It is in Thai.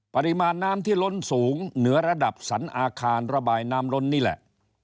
ปริมาณน้ำที่ล้นสูงเหนือระดับสรรอาคารระบายน้ำล้นนี่แหละ